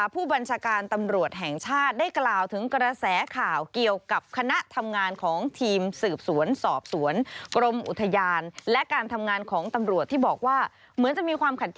ผู้บัญชาการตำรวจแห่งชาติ